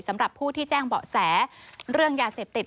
สำหรับผู้ที่แจ้งเบาะแสเรื่องยาเสพติด